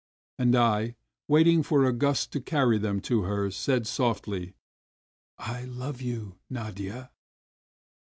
And I, waiting for a gust to carry them to her, said softly: "I love you, Nadia!"